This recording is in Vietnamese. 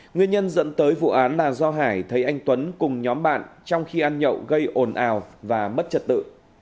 nguyên nhân dẫn tới vụ án là do hải thấy anh tuấn cùng nhóm bạn trong khi ăn nhậu gây ồn ào và mất trật tự